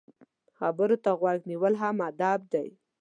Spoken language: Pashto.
خبرو ته غوږ نیول هم ادب دی.